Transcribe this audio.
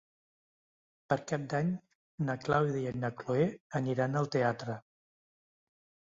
Per Cap d'Any na Clàudia i na Cloè aniran al teatre.